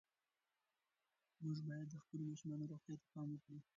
موږ باید د خپلو ماشومانو روغتیا ته پام وکړو.